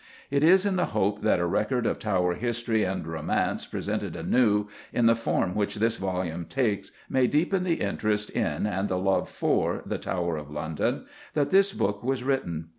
It is in the hope that a record of Tower history and romance presented anew, in the form which this volume takes, may deepen the interest in and the love for the Tower of London, that this book was written.